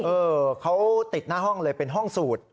เออเขาติดหน้าห้องเลยเป็นห้องสูตร